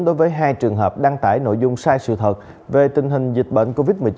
đối với hai trường hợp đăng tải nội dung sai sự thật về tình hình dịch bệnh covid một mươi chín